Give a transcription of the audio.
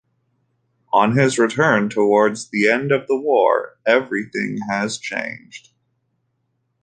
On his return, towards the end of the war, everything has changed.